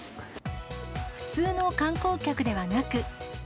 普通の観光客ではなく。